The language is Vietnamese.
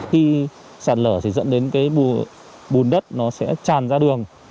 khi sạt lở thì dẫn đến cái bùn đất nó sẽ tràn ra đường